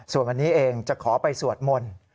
ส่วนวันนี้เองจะขอไปสวดมนต์